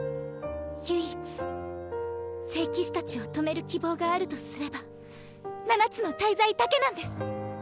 唯一聖騎士たちを止める希望があるとすれば七つの大罪だけなんです！